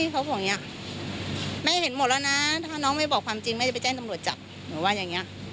ว่าเขาเอานั่นเข้าตูดน๋อง